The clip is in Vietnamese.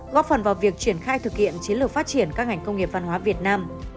góp phần vào việc triển khai thực hiện chiến lược phát triển các ngành công nghiệp văn hóa việt nam